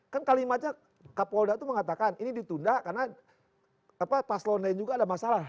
kan kalimatnya kapolda itu mengatakan ini ditunda karena paslon lain juga ada masalah